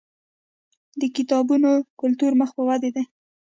د کتابتونونو کلتور مخ په ودې دی.